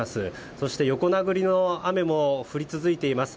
そして横殴りの雨も降り続いています。